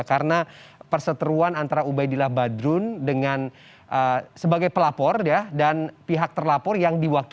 karena perseteruan antara ubedillah badrun sebagai pelapor dan pihak terlapor yang diwawancarai